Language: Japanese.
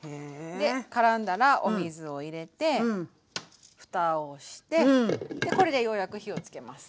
でからんだらお水を入れてふたをしてこれでようやく火をつけます。